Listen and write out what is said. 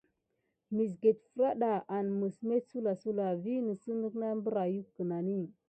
Məsget fraɗa en məs met suwlasuwla vi nisikeho berayuck kenani.